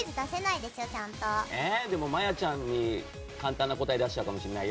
でも、まやちゃんに簡単な答え出しちゃうかもしれないよ。